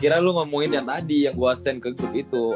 gua kira lu ngomongin yang tadi yang gua send ke group itu